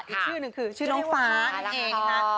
อีกชื่อหนึ่งคือชื่อน้องฟ้านั่นเองนะคะ